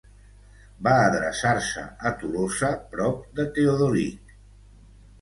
Va adreçar-se a Tolosa, prop de Teodoric.